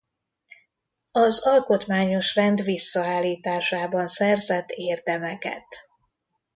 Az alkotmányos rend visszaállításában szerzett érdemeket.